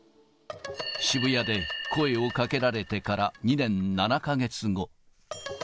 渋谷で声をかけられてから２年７か月後。